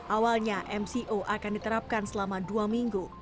awalnya mco akan diterapkan selama dua minggu